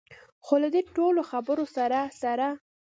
خو له دې ټولو خبرو سره سره.